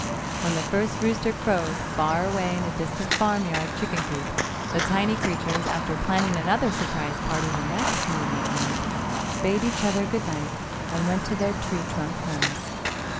When the first rooster crowed, far away in a distant farm yard chicken coop, the tiny creatures, after planning another surprise party the next moonlit night, bade each other good night and went to their tree trunk homes.